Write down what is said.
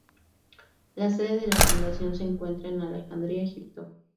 La sede de la Fundación se encuentra en Alejandría, Egipto.